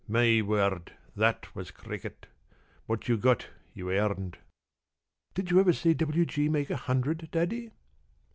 My word, that was cricket. What you got you earned." "Did you ever see W. G. make a hundred, Daddy?"